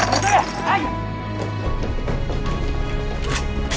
はい。